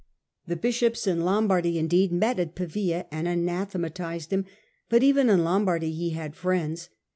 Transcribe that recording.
The bishops in Lombardy, indeed, met at Pavia and anathematised him, but even in Lombardy he had friends.